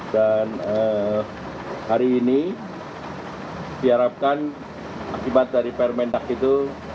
dan hari ini diharapkan akibat dari permendak itu